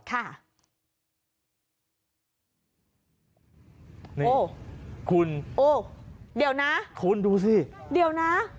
คุณดูสิคุณดูสิเดี๋ยวนะ